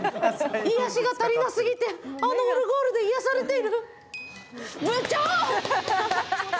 癒やしが足りなすぎて、あのオルゴールで癒やされてる。